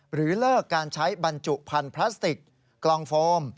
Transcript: หรือเลิกการใช้บรรจุพันธุ์พลาสติกกลองโฟม